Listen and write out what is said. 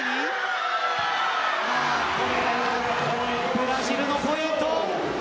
ブラジルのポイント。